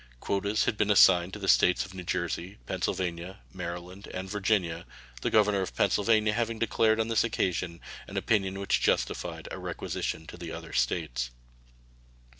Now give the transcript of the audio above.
Quotas had been assigned to the States of New Jersey, Pennsylvania, Maryland, and Virginia, the governor of Pennsylvania having declared on this occasion an opinion which justified a requisition to the other States.